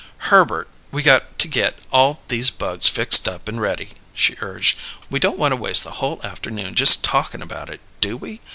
"Herbert, we got to get all these bugs fixed up and ready," she urged. "We don't want to waste the whole afternoon just talkin' about it, do we?